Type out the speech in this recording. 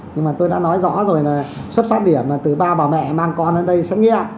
nhưng mà tôi đã nói rõ rồi là xuất phát điểm là từ ba bà mẹ mang con lên đây xét nghiệm